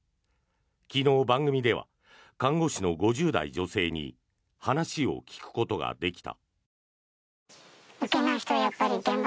昨日、番組では看護師の５０代女性に話を聞くことができた。